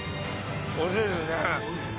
おいしいですね。